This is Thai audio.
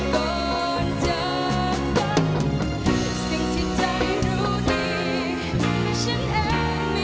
ขอเวลาสักหน่อย